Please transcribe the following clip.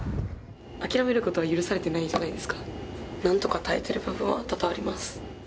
諦めることは許されてないじゃないですか何とか耐えてる部分は多々あります